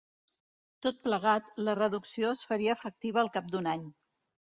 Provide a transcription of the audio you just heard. Tot plegat, la reducció es faria efectiva al cap d’un any.